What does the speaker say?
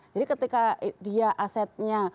jadi ketika dia asetnya